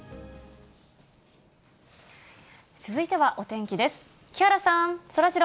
続いてはお天気です。